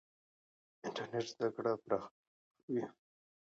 انټرنېټ زده کړه پراخوي.